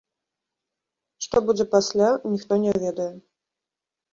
Што будзе пасля, ніхто не ведае.